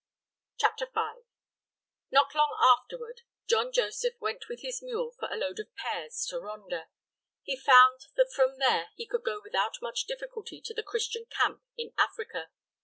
CHAPTER V. Not long afterward, John Joseph went with his mule for a load of pears to Ronda. He found that from there he could go without much difficulty to the Christian camp in Africa.